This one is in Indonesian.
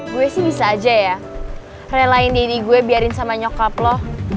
gue sih bisa aja ya relain diri gue biarin sama nyokap loh